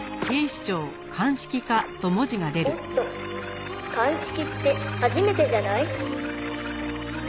「おっと鑑識って初めてじゃない？」